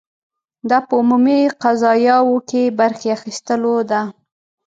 دا په عمومي قضایاوو کې برخې اخیستلو ده.